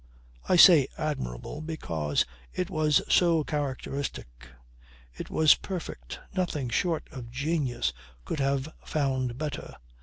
"I say admirable because it was so characteristic. It was perfect. Nothing short of genius could have found better.